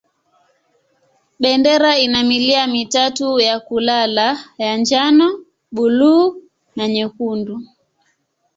Bendera ina milia mitatu ya kulala ya njano, buluu na nyekundu.